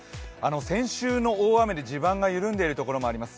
先週の大雨で地盤が緩んでいるところがあります。